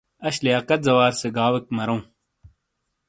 اش لیاقت زوار سے گاؤویک مرووں۔